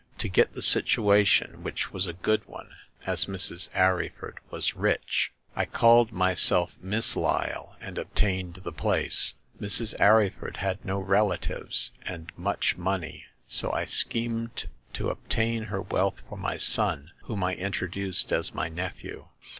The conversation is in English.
To get the situation, which was a good one, as Mrs, Arryford was rich^ « 84 Hagar of the Pawn Shop. I called myself Miss Lyle, and obtained the place. Mrs. Arryford had no relatives and much money, so I schemed to obtain her wealth for my son, whom I introduced as my nephew.